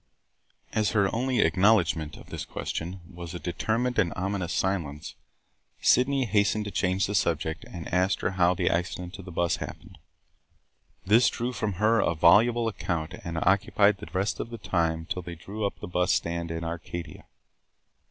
As her only acknowledgment of this question was a determined and ominous silence, Sydney hastened to change the subject and asked her how the accident to the bus happened. This drew from her a voluble account and occupied the rest of the time till they drew up at the bus stand in Arcadia.